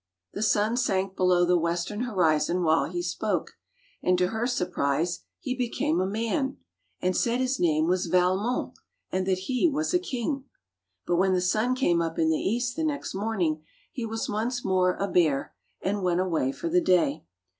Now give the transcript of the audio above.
The sun sank below the western horizon while he spoke, and to her surprise he be came a man, and said his name was Valmon and that he was a king. But when the sun came up in the east the next morning he was once more a bear and went away for the day.